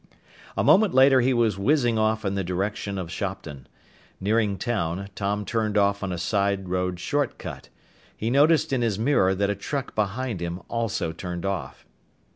A moment later he was whizzing off in the direction of Shopton. Nearing town, Tom turned off on a side road short cut. He noticed in his mirror that a truck behind him also turned off.